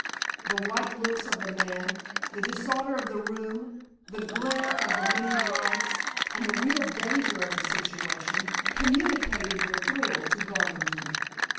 The white looks of the man, the disorder of the room, the glare of the many lights, and the real danger of the situation, communicated their thrill to Garvington.